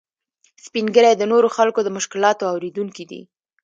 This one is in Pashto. سپین ږیری د نورو خلکو د مشکلاتو اورېدونکي دي